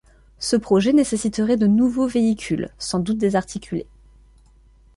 Ce projet nécessiterait de nouveaux véhicules, sans doute des articulés.